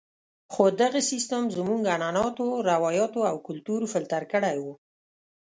خو دغه سیستم زموږ عنعناتو، روایاتو او کلتور فلتر کړی وو.